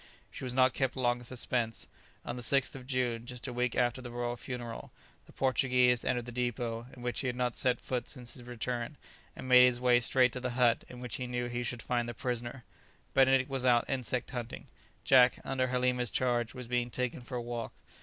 She was not kept long in suspense. On the 6th of June, just a week after the royal funeral, the Portuguese entered the depót, in which he had not set foot since his return, and made his way straight to the hut in which he knew he should find the prisoner. Benedict was out insect hunting; Jack, under Halima's charge, was being taken for a walk.